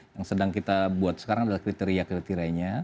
yang sedang kita buat sekarang adalah kriteria kriterianya